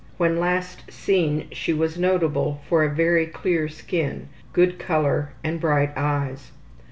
When last seen she was notable for a very clear skin, good color, and bright eyes.